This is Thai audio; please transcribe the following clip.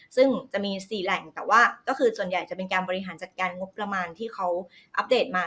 ซึ่งจะมี๔แหล่งแต่ว่าก็คือส่วนใหญ่จะเป็นการบริหารจัดการงบประมาณที่เขาอัปเดตมา